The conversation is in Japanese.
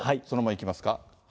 そのままいきますか。